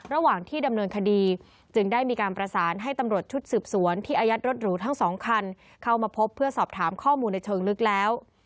ระหว่างที่ดำเนินคดีจึงได้มีการประสานให้ตำรวจชุดสืบสวนที่อายัดรถหรูทั้งสองคันเข้ามาพบเพื่อสอบถามข้อมูลในเชิงลึกแล้ว